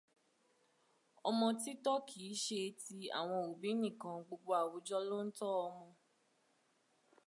Ọmọ títọ́ kìí ṣe tí àwọn òbí nìkan, gbogbo àwùjọ ló ń tọ ọmọ.